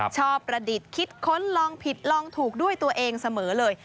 ประดิษฐ์คิดค้นลองผิดลองถูกด้วยตัวเองเสมอเลย